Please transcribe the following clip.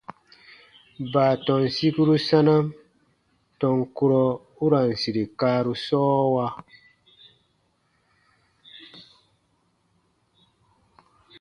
Baatɔn sikuru sanam tɔn kurɔ u ra n sire kaaru sɔɔwa.